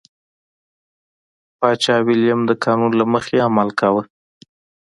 پاچا ویلیم د قانون له مخې عمل کاوه.